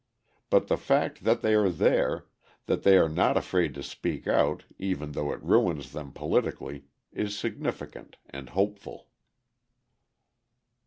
But the fact that they are there, that they are not afraid to speak out, even though it ruins them politically, is significant and hopeful.